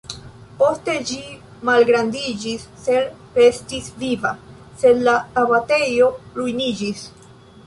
Poste ĝi malgrandiĝis sed restis viva, sed la abatejo ruiniĝis.